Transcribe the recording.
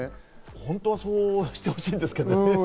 本当はそうしてほしいんですけどね。